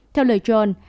theo lời john